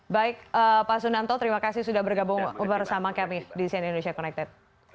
baik pak sunanto terima kasih sudah bergabung bersama kami di cnn indonesia connected